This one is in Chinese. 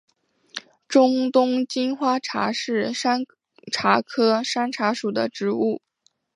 中东金花茶是山茶科山茶属的植物。